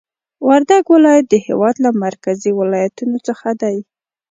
وردګ ولایت د هېواد له مرکزي ولایتونو څخه دی